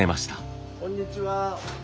こんにちは。